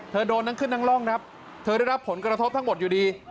โดนทั้งขึ้นทั้งร่องครับเธอได้รับผลกระทบทั้งหมดอยู่ดี